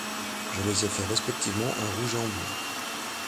Je les ai fait respectivement en rouge et en bleu.